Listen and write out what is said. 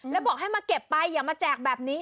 แล้วบอกให้มาเก็บไปอย่ามาแจกแบบนี้